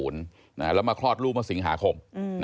แล้วมาคลอดลูกเมื่อสิงหาคม